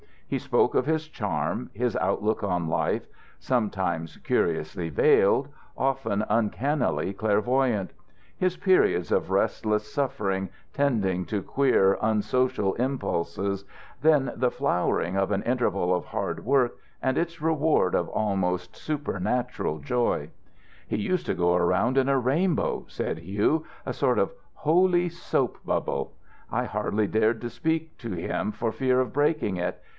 He spoke of his charm, his outlook on life, sometimes curiously veiled, often uncannily clairvoyant; his periods of restless suffering tending to queer, unsocial impulses; then the flowering of an interval of hard work and its reward of almost supernatural joy. "He used to go around in a rainbow," said Hugh, "a sort of holy soap bubble. I hardly dared to speak to him for fear of breaking it.